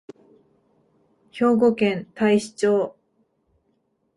兵庫県太子町